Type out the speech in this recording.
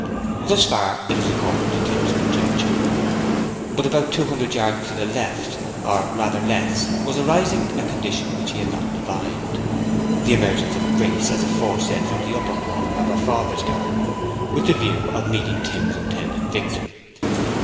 Thus far it was according to Tim's conjecture. But about two hundred yards to the left, or rather less, was arising a condition which he had not divined, the emergence of Grace as aforesaid from the upper corner of her father's garden, with the view of meeting Tim's intended victim.